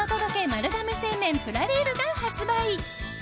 丸亀製麺×プラレールが発売。